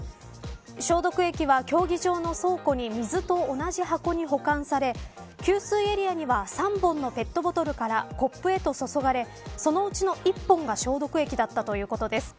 消毒液は競技場の倉庫に水と同じ箱に保管され給水エリアには３本のペットボトルからコップへと注がれそのうちの１本が消毒液だったということです。